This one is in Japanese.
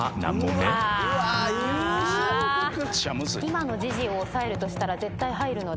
今の時事を押さえるとしたら絶対入るので。